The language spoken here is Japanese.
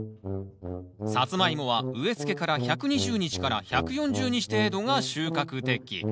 サツマイモは植えつけから１２０日から１４０日程度が収穫適期。